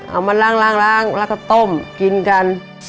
เอามาล้างแล้วก็ต้มกินกัน